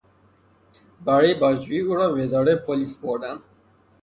برای بازجویی او را به اداره پلیس بردند.